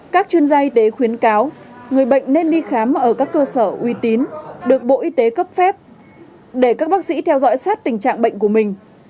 các chuyên gia y tế khuyến cáo người bệnh nên đi khám ở các cơ sở uy tín được bộ y tế cấp phép để các bác sĩ theo dõi sát tình trạng bệnh của mình